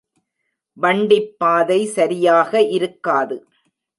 வண்டிப்பாதை சரியாக இருக்காது.